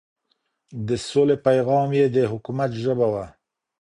د سولې پيغام يې د حکومت ژبه وه.